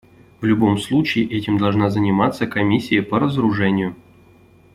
В любом случае этим должна заниматься Комиссия по разоружению.